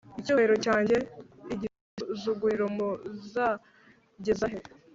icyubahiro cyanjye igisuzuguriro Muzageza he